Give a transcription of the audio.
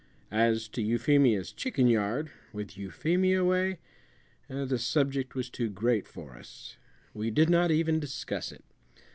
As to Euphemia's chicken yard with Euphemia away the subject was too great for us. We did not even discuss it.